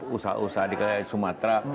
usaha usaha di sumatera